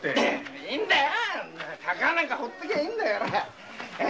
カカアなんかほっとけばいいんだよ。